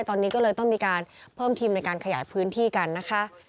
ตอนนี้ก็เลยต้องมีการเพิ่มทีมในการขยายพื้นที่กันนะคะ